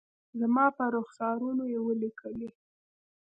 زما پر رخسارونو ولیکلي